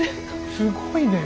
すごいねえ！